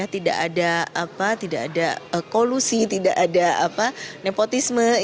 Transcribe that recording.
tidak ada kolusi tidak ada nepotisme